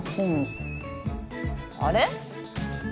あれ？